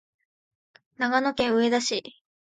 長野県上田市